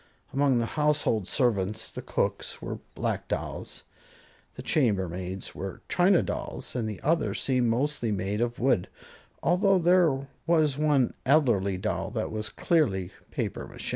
Among the household servants the cooks were black dolls, the chambermaids were china dolls, and the others seemed mostly made of wood, although there was one elderly doll that was clearly papier mache.